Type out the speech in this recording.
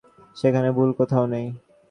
গোরা মেঘগম্ভীরকণ্ঠে কহিল, সেখানে ভুল কোথাও নেই।